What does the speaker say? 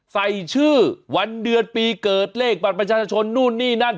ใส่ชื่อวันเดือนปีเกิดเลขบัตรประชาชนนู่นนี่นั่น